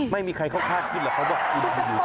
ยังสิคุณจะเปิดมาทำไม